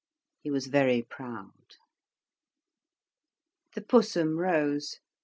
He was very proud. The Pussum rose.